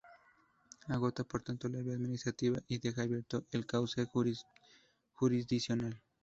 Agota por tanto la vía administrativa y deja abierto el cauce jurisdiccional.